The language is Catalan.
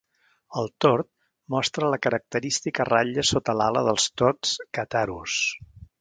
El tord mostra la característica ratlla sota l'ala dels tords "Catharus".